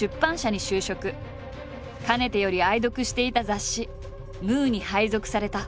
かねてより愛読していた雑誌「ムー」に配属された。